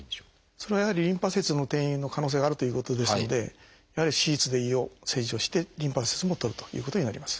それはやはりリンパ節への転移の可能性があるということですのでやはり手術で胃を切除してリンパ節も取るということになります。